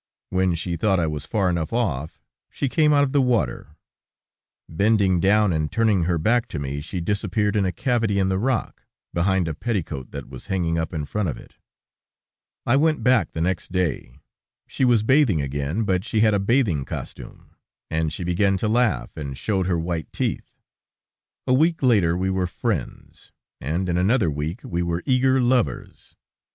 When she thought I was far enough off, she came out of the water; bending down and turning her back to me, she disappeared in a cavity in the rock, behind a petticoat that was hanging up in front of it. I went back the next day. She was bathing again, but she had a bathing costume, and she began to laugh, and showed her white teeth. A week later we were friends, and in another week we were eager lovers.